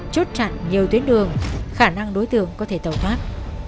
chốt chặn nhiều tuyến đường khả năng đối tượng có thể tẩu thoát